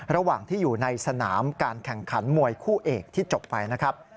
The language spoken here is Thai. ระหว่างที่อยู่ในสนามการแข่งขันมวยคู่เอกที่จบไปนะครับ